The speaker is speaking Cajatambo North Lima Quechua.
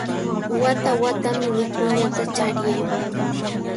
Wata-watami wikuñata chariyan.